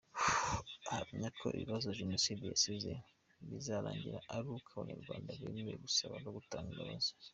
Ahamya ko ibibazo Jenoside yasize bizarangira ari uko Abanyarwanda bemeye gusaba no gutanga imbabazi.